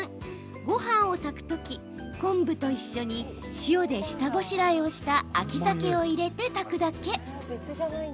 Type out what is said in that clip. ごはんを炊くとき、昆布と一緒に塩で下ごしらえした秋ザケを入れて炊くだけ。